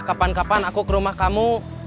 kapan kapan aku ke rumah kamu